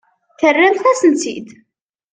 Terramt-asent-tt-id.